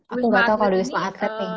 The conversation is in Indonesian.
aku gak tau kalau wisma atlet nih